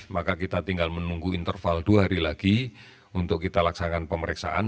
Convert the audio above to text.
maka kita tinggal menunggu interval dua hari lagi untuk kita laksakan pemeriksaan